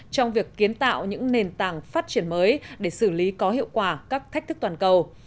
trong việc kiến tạo những nền tảng phát triển mới để xử lý có hiệu quả các thách thức toàn cầu